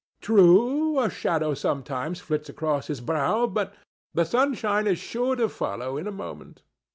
True, a shadow sometimes flits across his brow, but the sunshine is sure to follow in a moment.